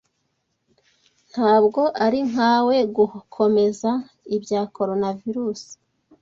Ntabwo ari nkawe gukomeza ibya Coronavirusi.